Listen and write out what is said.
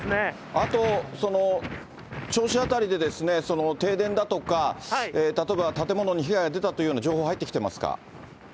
あと、銚子辺りで、停電だとか、例えば建物に被害が出たというような情報、入ってきていますか？